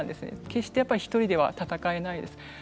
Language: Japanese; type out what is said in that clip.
決して１人では闘えないです。